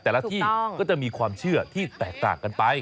แต่ละที่ก็จะมีความเชื่อที่แตกต่างกันไป